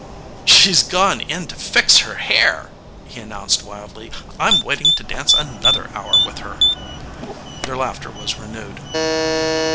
"She's gone in to fix her hair," he announced wildly. "I'm waiting to dance another hour with her." Their laughter was renewed.